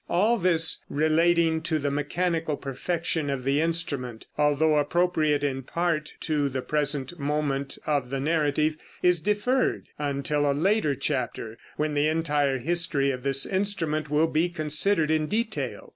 All this, relating to the mechanical perfection of the instrument, although appropriate in part to the present moment of the narrative, is deferred until a later chapter, when the entire history of this instrument will be considered in detail.